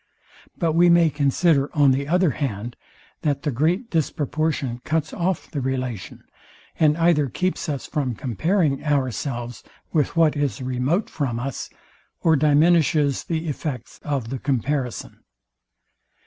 But we may consider on the other hand, that the great disproportion cuts off the relation, and either keeps us from comparing ourselves with what is remote from us, or diminishes the effects of the comparison.